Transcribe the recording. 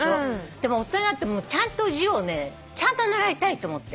でも大人になってちゃんと字をね習いたいと思って。